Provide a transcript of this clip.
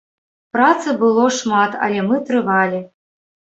Працы было шмат, але мы трывалі.